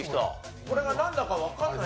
これがなんだかわかんない。